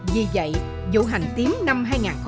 vì vậy vụ hành tím năm hai nghìn một mươi năm